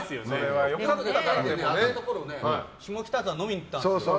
でも当たったころ下北沢に飲みに行ったんですよ。